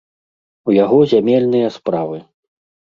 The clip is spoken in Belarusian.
У яго зямельныя справы!